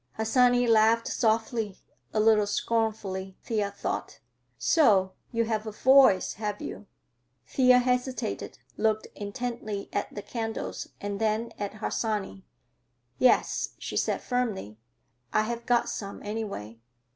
Harsanyi laughed softly—a little scornfully, Thea thought. "So you have a voice, have you?" Thea hesitated, looked intently at the candles and then at Harsanyi. "Yes," she said firmly; "I have got some, anyway."